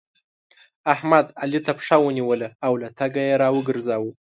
احمد؛ علي ته پښه ونيوله او له تګه يې راوګرځاوو.